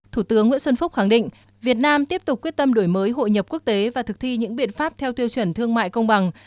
thủ tướng nguyễn xuân phúc khẳng định việt nam tiếp tục quyết tâm đổi mới hội nhập quốc tế và thực thi những biện pháp theo tiêu chuẩn thương mại công bằng